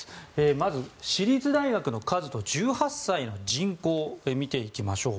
まず私立大学の数と１８歳の人口見ていきましょう。